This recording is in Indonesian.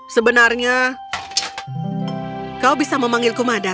sebenarnya kau bisa memanggilku madan